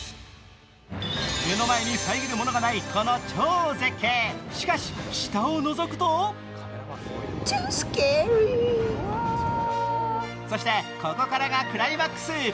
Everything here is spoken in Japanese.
目の前に遮るものがないこの超絶景、しかし下をのぞくとそしてここからがクライマックス。